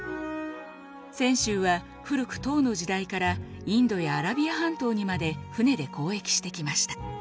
泉州は古く唐の時代からインドやアラビア半島にまで船で交易してきました。